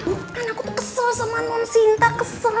kan aku tuh kesel sama non sinta kesel